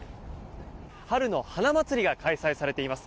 春の花まつりが開催されています。